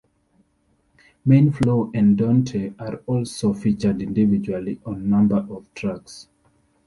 Main Flow and Donte are also featured individually on a number of tracks.